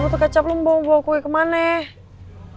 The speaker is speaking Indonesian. boto kecap lu mau bawa kue kemana ya